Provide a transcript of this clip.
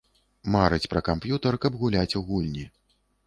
Марыць пра камп'ютар, каб гуляць у гульні.